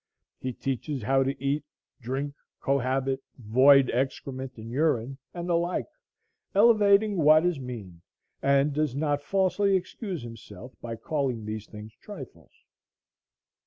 He teaches how to eat, drink, cohabit, void excrement and urine, and the like, elevating what is mean, and does not falsely excuse himself by calling these things trifles.